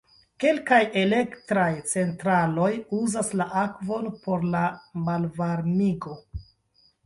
Kelkaj elektraj centraloj uzas la akvon por la malvarmigo.